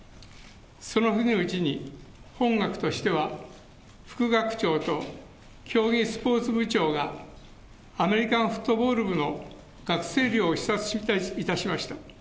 その日のうちに本学としては、副学長と競技スポーツ部長が、アメリカンフットボール部の学生寮を視察いたしました。